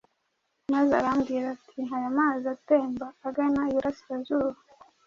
Maze arambwira ati, « Aya mazi atemba, agana iburasirazuba,